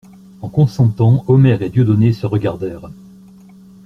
En consentant, Omer et Dieudonné se regardèrent.